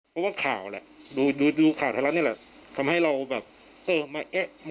เพราะว่าข่าวแหละดูดูข่าวไทยรัฐนี่แหละทำให้เราแบบเออมาเอ๊ะ